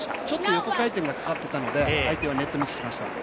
ちょっと横回転がかかったので相手はネットミスしました。